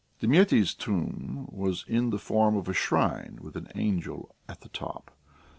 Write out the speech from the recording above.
Demetti's tomb was in the form of a shrine with an angel at the top.